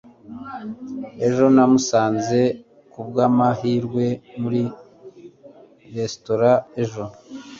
ejo namusanze kubwamahirwe muri resitora ejo